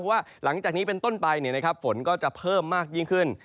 ว่าหลังจากนี้เป็นต้นไปฝนก็จะเพิ่มมากยิ่งขึ้น